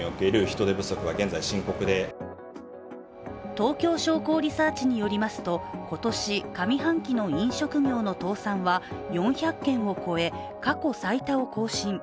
東京商工リサーチによりますと今年上半期の飲食業の倒産は４００件を超え、過去最多を更新。